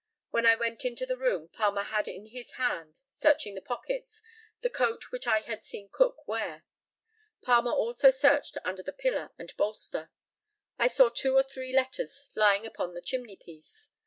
When I went into the room Palmer had in his hand, searching the pockets, the coat which I had seen Cook wear. Palmer also searched under the pillow and bolster. I saw two or three letters lying upon the chimney piece.